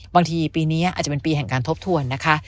ปีนี้อาจจะเป็นปีแห่งการทบทวนนะคะ